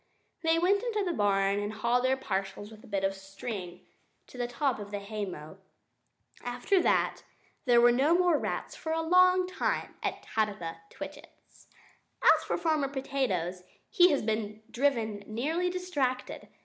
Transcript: They went into the barn and hauled their parcels with a bit of string to the top of the haymow. After that, there were no more rats for a long time at Tabitha Twitchit's. As for Farmer Potatoes, he has been driven nearly distracted.